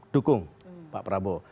dukung pak prabowo